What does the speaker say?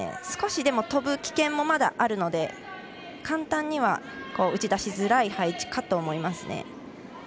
少し飛ぶ危険もまだあるので簡単には打ち出しづらい配置かと思います。